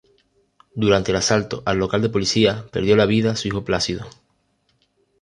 Durante el asalto al local de Policía, perdió la vida su hijo Plácido.